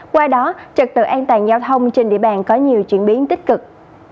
qua đó trật tự an toàn giao thông trên địa bàn có nhiều chuyển biến tích cực